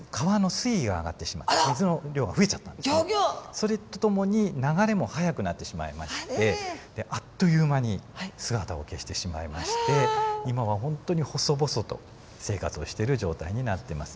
それとともに流れも速くなってしまいましてあっという間に姿を消してしまいまして今はほんとに細々と生活をしてる状態になってます。